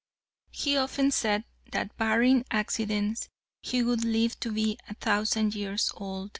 He often said that, barring accidents, he would live to be a thousand years old.